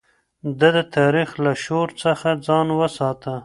ده د تاريخ له شور څخه ځان وساته.